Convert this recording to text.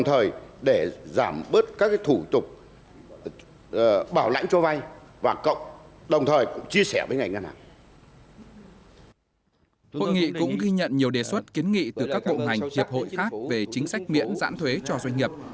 hội nghị cũng ghi nhận nhiều đề xuất kiến nghị từ các bộ ngành hiệp hội khác về chính sách miễn giãn thuế cho doanh nghiệp